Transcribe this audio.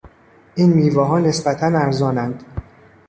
این میوهها نسبتا ارزانند.